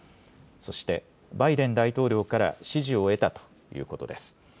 そして、バイデン大統領から支持を得たということです。